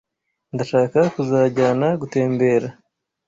Ndashaka kuzakujyana gutembera